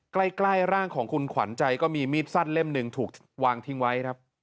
ใกล้ร่างของคุณขวัญใจก็มีมีดสั้นเล่มหนึ่งถูกวางทิ้งไว้ครับ